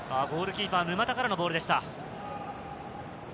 ゴールキーパー・沼田からのボールでした。